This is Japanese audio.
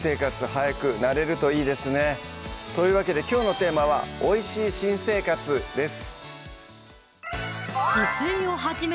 早く慣れるといいですねというわけできょうのテーマは「おいしい新生活」です